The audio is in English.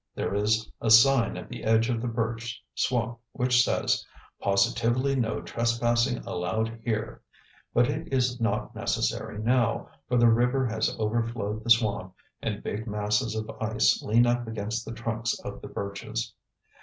There is a sign at the edge of the birch swamp which says: "Positively no trespassing allowed here" but it is not necessary now, for the river has overflowed the swamp and big masses of ice lean up against the trunks of the birches.